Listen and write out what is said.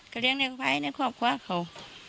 คันเรียงในครอบครัวเขา